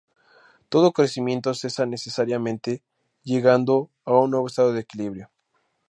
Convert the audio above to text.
Todo crecimiento cesa necesariamente, llegando a un nuevo estado de equilibrio.